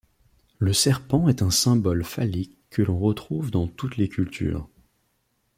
Le serpent est un symbole phallique que l'on retrouve dans toutes les cultures.